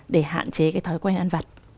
để hạn chế cái thói quen ăn vặt